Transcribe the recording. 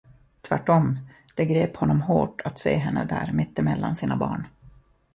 Tvärtom, det grep honom hårt att se henne där mittemellan sina barn.